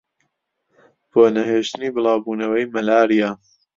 بۆ نەهێشتنی بڵاوبوونەوەی مەلاریا